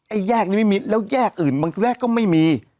แยกนี้ไม่มีแล้วแยกอื่นบางแยกก็ไม่มี